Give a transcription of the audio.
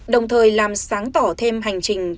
đồng thời làm sáng tỏ thêm hành trình